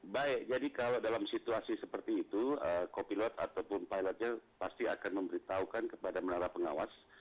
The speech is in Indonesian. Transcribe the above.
baik jadi kalau dalam situasi seperti itu kopilot ataupun pilotnya pasti akan memberitahukan kepada menara pengawas